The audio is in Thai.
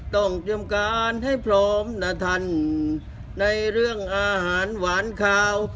เตรียมการให้พร้อมนะท่านในเรื่องอาหารหวานคาว